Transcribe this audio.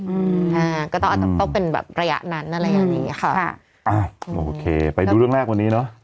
อืมอ่าก็ต้องเป็นระยะนั้นอะไรอย่างนี้ค่ะอ่าโอเคไปดูเรื่องแรกวันนี้เนอะ